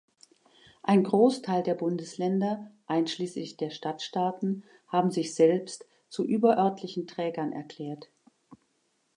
Ein Großteil der Bundesländer einschließlich der Stadtstaaten haben sich selbst zu überörtlichen Trägern erklärt.